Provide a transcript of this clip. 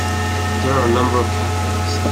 There are a number of cafes.